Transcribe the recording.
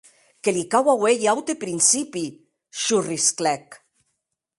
Que li cau auer un aute principi!, sorrisclèc.